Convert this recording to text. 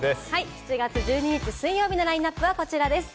７月１２日、水曜日のラインナップはこちらです。